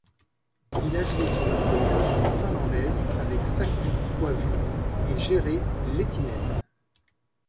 Il a joué sur la première ligne finlandaise avec Saku Koivu et Jere Lehtinen.